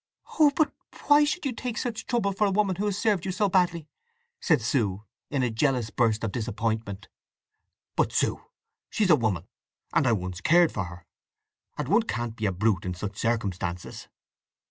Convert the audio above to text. "Oh, but why should you take such trouble for a woman who has served you so badly!" said Sue in a jealous burst of disappointment. "But, Sue, she's a woman, and I once cared for her; and one can't be a brute in such circumstances."